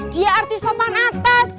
dia artis pepan atas